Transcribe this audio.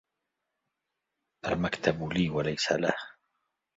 المكتب لي و ليس له.